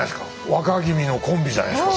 若君のコンビじゃないですか